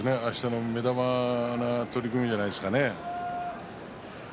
目玉の取組じゃないですかね。